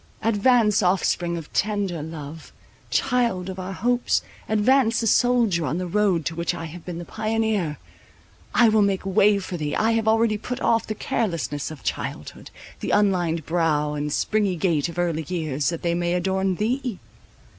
advance, offspring of tender love, child of our hopes; advance a soldier on the road to which I have been the pioneer! I will make way for thee. I have already put off the carelessness of childhood, the unlined brow, and springy gait of early years, that they may adorn thee.